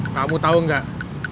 kamu tau nggak